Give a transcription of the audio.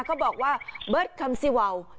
เขาบอกว่าเบิร์ดคำซีวาว